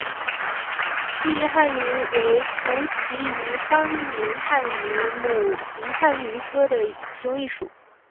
细银汉鱼属为辐鳍鱼纲银汉鱼目银汉鱼科的其中一属。